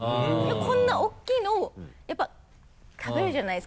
こんな大きいのをやっぱ食べるじゃないですか。